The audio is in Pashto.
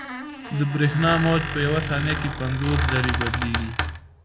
د برېښنا موج په یوه ثانیه کې پنځوس ځلې بدلېږي.